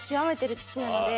なので。